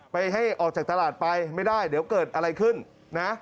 ให้ออกจากตลาดไปไม่ได้เดี๋ยวเกิดอะไรขึ้นนะ